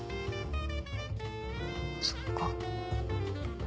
そっか。